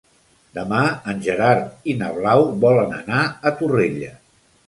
Demà en Gerard i na Blau volen anar a Torrella.